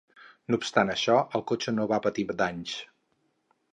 No obstant això, el cotxe no va patir danys.